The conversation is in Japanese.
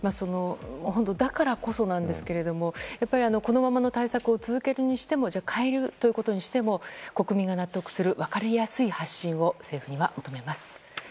だからこそなんですけれどもこのままの対策を続けるにしても変えるということにしても国民が納得する分かりやすい発信を政府には求めます。